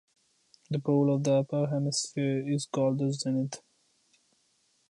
The pole of the upper hemisphere is called the zenith.